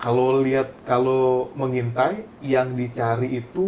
kalau lihat kalau mengintai yang dicari itu yang kondisi motor itu